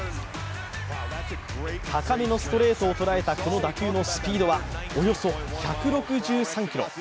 高めのストレートをとらえたこの打球のスピードはおよそ１６３キロ。